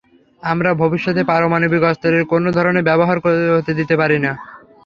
আমরা ভবিষ্যতে পারমাণবিক অস্ত্রের কোনো ধরনের ব্যবহার হতে দিতে পারি না।